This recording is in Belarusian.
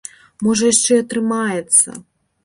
Можа яшчэ і атрымаецца.